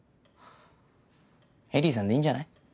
エリーさんでいいんじゃない？